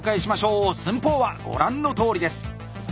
寸法はご覧のとおりです。